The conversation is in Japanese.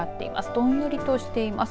どんよりとしています。